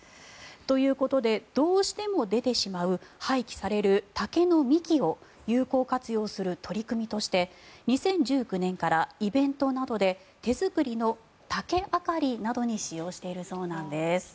ということでどうしても出てしまう廃棄される竹の幹を有効活用する取り組みとして２０１９年からイベントなどで手作りの竹あかりなどに使用しているそうなんです。